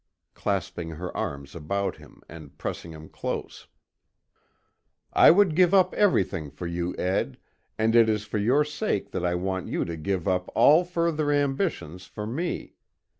clasping her arms about him, and pressing him close. "I would give up everything for you, Ed, and it is for your sake that I want you to give up all further ambitions for me.